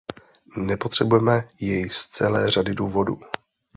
Nepotřebujeme jej z celé řady důvodů.